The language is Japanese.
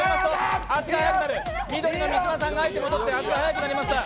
緑の三島さんがアイテムを取って足が速くなりました。